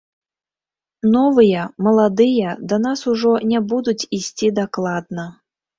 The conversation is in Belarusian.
Новыя, маладыя, да нас ужо не будуць ісці дакладна.